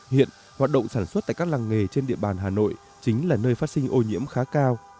hiện hoạt động sản xuất tại các làng nghề trên địa bàn hà nội chính là nơi phát sinh ô nhiễm khá cao